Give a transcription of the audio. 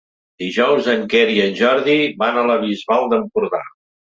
Dijous en Quer i en Jordi van a la Bisbal d'Empordà.